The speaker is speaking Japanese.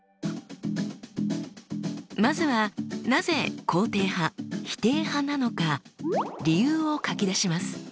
まずはなぜ肯定派否定派なのか理由を書き出します。